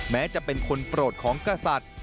แม้จะเป็นคนโปรดของกษัตริย์